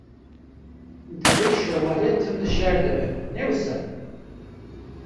Divê Şovalye tim di şer de bin, ne wisa?